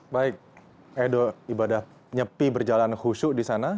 baik edo ibadah nyepi berjalan khusyuk di sana